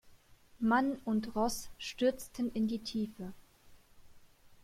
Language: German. Mann und Ross stürzten in die Tiefe.